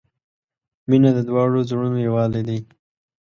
• مینه د دواړو زړونو یووالی دی.